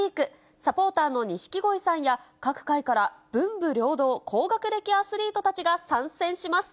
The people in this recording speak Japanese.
サポーターの錦鯉さんや、各界から文武両道高学歴アスリートたちが参戦します。